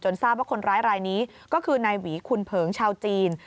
ทราบว่าคนร้ายรายนี้ก็คือนายหวีคุณเผิงชาวจีน